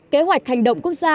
kế hoạch hành động quốc gia